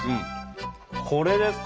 これです